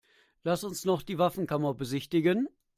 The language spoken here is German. Lass uns noch die Waffenkammer besichtigen.